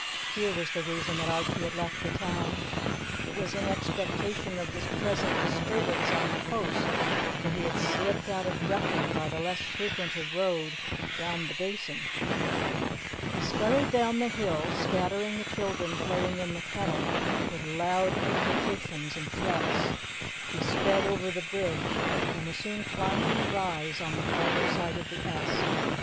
Here was the reason that Archie had left the town! It was in expectation of this present disturbance on the coast that he had slipped out of Brechin by the less frequented road round the Basin. He scurried down the hill, scattering the children playing in the kennel with loud imprecations and threats. He sped over the bridge, and was soon climbing the rise on the farther side of the Esk.